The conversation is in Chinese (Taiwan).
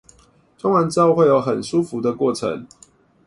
裝完之後會有很舒服的過程